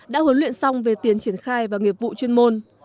đã huấn luyện xong về tiền triển khai và nghiệp vụ chuyên môn